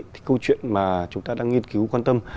thì câu chuyện mà chúng ta đang nghiên cứu quan tâm